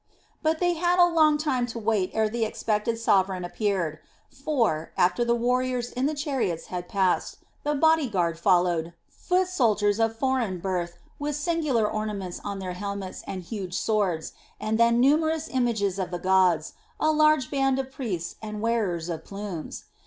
But they had a long time to wait ere the expected sovereign appeared; for, after the warriors in the chariots had passed, the body guard followed, foot soldiers of foreign birth with singular ornaments on their helmets and huge swords, and then numerous images of the gods, a large band of priests and wearers of plumes.